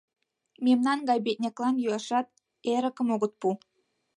Мемнан гай бедняклан йӱашат, э... эрыкым огыт пу...